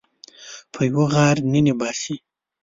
په یوه غار ننه باسي